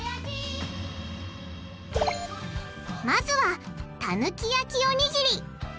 まずはたぬき焼きおにぎり。